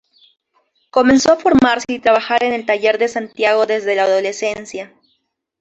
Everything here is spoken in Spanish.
Comenzó a formarse y trabajar en el taller de Santiago desde la adolescencia.